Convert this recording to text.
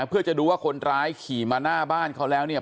เพื่อจะดูว่าคนร้ายขี่มาหน้าบ้านเขาแล้วเนี่ย